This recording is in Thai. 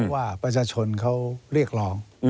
ว่าประชาชนเขาเรียกร้อง